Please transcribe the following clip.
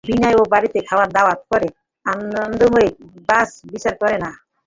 বিনয় এ বাড়িতে খাওয়া-দাওয়া করে– আনন্দময়ীও বাছ-বিচার করেন না।